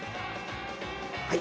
はい。